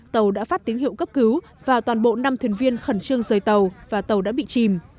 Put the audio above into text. tàu đã phát tín hiệu cấp cứu và toàn bộ năm thuyền viên khẩn trương rời tàu và tàu đã bị chìm